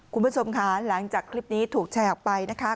คุณผู้ชมค่ะหลังจากคลิปนี้ถูกแชร์ออกไปนะคะ